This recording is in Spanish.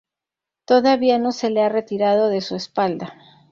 Todavía no se le ha retirado de su espalda.